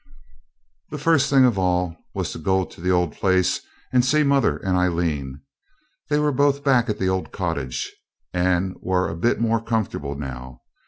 The first thing of all was to go to the old place and see mother and Aileen. They were both back at the old cottage, and were a bit more comfortable now.